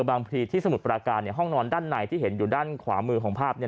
พลีที่สมุทรปราการห้องนอนด้านในที่เห็นอยู่ด้านขวามือของภาพ